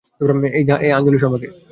এই আঞ্জলি শর্মা কে?